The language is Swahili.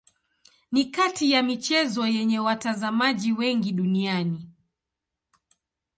Ni kati ya michezo yenye watazamaji wengi duniani.